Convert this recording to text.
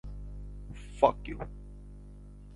Ashe was carried back, blue in the face and unconscious.